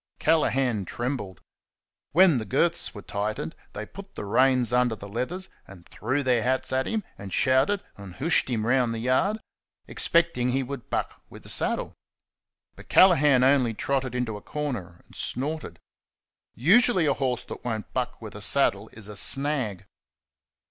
Callaghan trembled. When the girths were tightened they put the reins under the leathers, and threw their hats at him, and shouted, and "hooshed" him round the yard, expecting he would buck with the saddle. But Callaghan only trotted into a corner and snorted. Usually, a horse that won't buck with a saddle is a "snag."